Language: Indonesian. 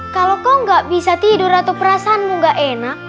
kalau kau gak bisa tidur atau perasaanmu gak enak